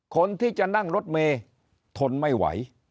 คนที่จะนั่งรถเมย์ทนไม่ไหว